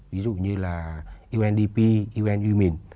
ví dụ như là undp unumin